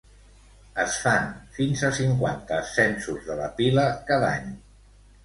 Es fan fins a cinquanta ascensos de la pila cada any.